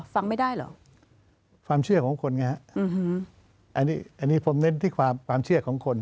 ฟังไม่ได้เหรอความเชื่อของคนไงฮะอันนี้อันนี้ผมเน้นที่ความเชื่อของคน